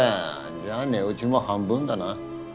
じゃ値打ちも半分だな。